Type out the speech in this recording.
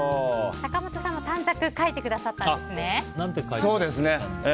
坂本さんも短冊書いてくださったんですね。